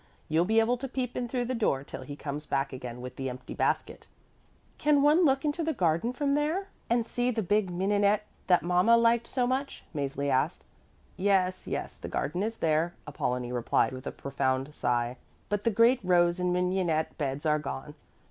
You'll be able to peep in through the door till he comes back again with the empty basket." "Can one look into the garden from there and see the big mignonette bushes that mama liked so much?" Mäzli asked. "Yes, yes, the garden is there," Apollonie replied with a profound sigh, "but the great rose and mignonette beds are gone.